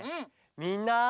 みんな！